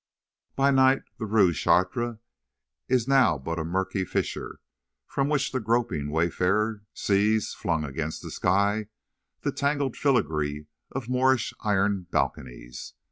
By night the Rue Chartres is now but a murky fissure, from which the groping wayfarer sees, flung against the sky, the tangled filigree of Moorish iron balconies.